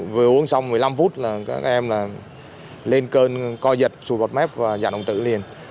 vừa uống xong một mươi năm phút là các em là lên cơn co giật sụt bọt mép và giả động tử liền